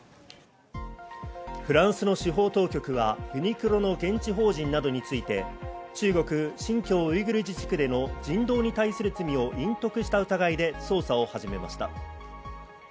フランスの司法当局はユニクロの現地法人などについて、中国・新疆ウイグル自治区での人道に対する罪を隠匿した疑いで捜査を始めました。